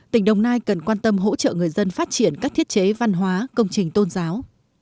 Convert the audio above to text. tỉnh đồng nai cần quan tâm hỗ trợ người dân phát triển các thiết chế văn hóa công trình tôn giáo